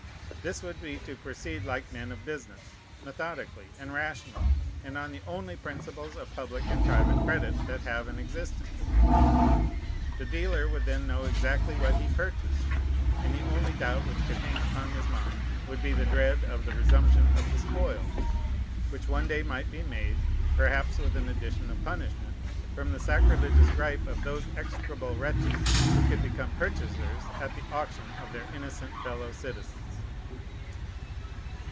This would be to proceed like men of business, methodically and rationally, and on the only principles of public and private credit that have an existence. The dealer would then know exactly what he purchased; and the only doubt which could hang upon his mind would be the dread of the resumption of the spoil, which one day might be made (perhaps with an addition of punishment) from the sacrilegious gripe of those execrable wretches who could become purchasers at the auction of their innocent fellow citizens.